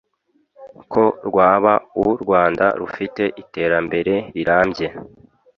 ko rwaba u Rwanda rufite iterambere rirambye